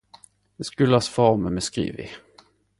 Det skuldast formen me skriv i.